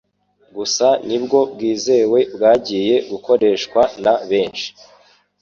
gusa nibwo bwizewe bwagiye bukoreshwa na benshi